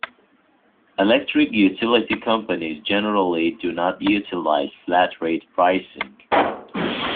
Electric utility companies generally do not utilize flat rate pricing.